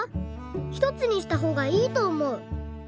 ひとつにしたほうがいいとおもう」。